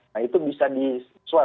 nah itu bisa disuat